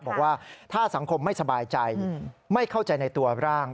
บอกว่าถ้าสังคมไม่สบายใจไม่เข้าใจในตัวร่าง